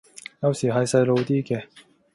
有時係細路啲嘅